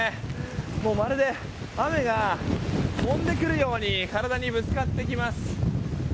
もうまるで雨が飛んでくるように体にぶつかってきます。